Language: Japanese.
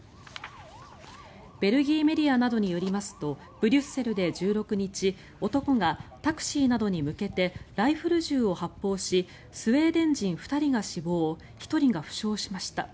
ベルギーメディアなどによりますとブリュッセルで１６日男がタクシーなどに向けてライフル銃を発砲しスウェーデン人２人が死亡１人が負傷しました。